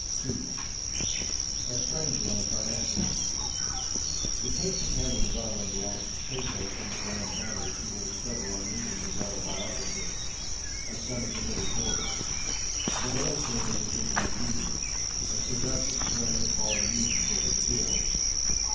2 A Stranger on Parnassus The case of Hamlin Garland belongs to pathos in the grand manner, as you will discover on reading his autobiography, "A Son of the Middle Border." What ails him is a vision of beauty, a seductive strain of bawdy music over the hills.